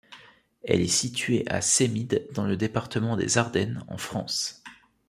Elle est située à Semide, dans le département des Ardennes, en France.